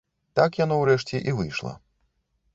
Так яно, урэшце, і выйшла.